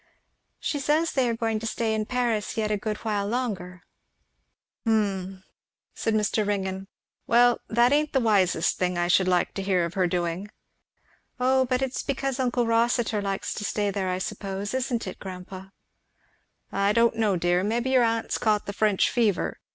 "She says they are going to stay in Paris yet a good while longer." "Hum!" said Mr. Ringgan. "Well that ain't the wisest thing I should like to hear of her doing." "Oh but it's because uncle Rossitur likes to stay there, I suppose, isn't it, grandpa?" "I don't know, dear. Maybe your aunt's caught the French fever.